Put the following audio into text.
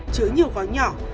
chứa nhiều gói nhỏ